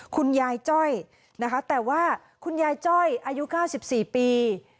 คุณยายจ้อยนะคะแต่ว่าคุณยายจ้อยอายุ๙๔ปี